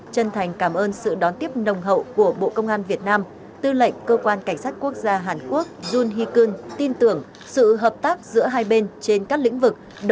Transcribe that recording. chân thành cảm ơn sự đón tiếp nồng hậu của bộ công an việt nam tư lệnh cơ quan cảnh sát quốc gia hàn quốc yun hikun tin tưởng sự hợp tác giữa hai bên trên các lĩnh vực